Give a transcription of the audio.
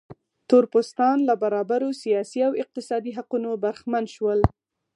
تور پوستان له برابرو سیاسي او اقتصادي حقونو برخمن شول.